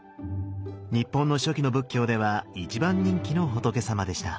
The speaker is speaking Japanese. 日本の初期の仏教では一番人気の仏様でした。